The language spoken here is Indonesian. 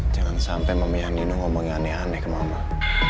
jangan sampai mamahnya nino ngomongnya aneh aneh ke mamah